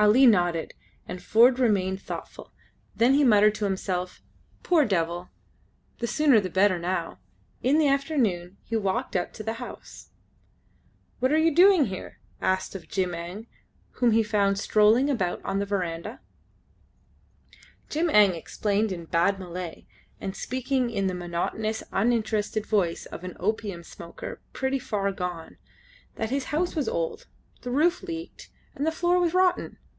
Ali nodded, and Ford remained thoughtful; then he muttered to himself, "Poor devil! The sooner the better now." In the afternoon he walked up to the house. "What are you doing here?" he asked of Jim Eng, whom he found strolling about on the verandah. Jim Eng explained in bad Malay, and speaking in that monotonous, uninterested voice of an opium smoker pretty far gone, that his house was old, the roof leaked, and the floor was rotten.